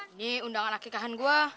ini undangan laki kahan gue